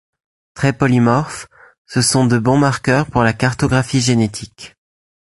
Très polymorphes, ce sont de bons marqueurs pour la cartographie génétique.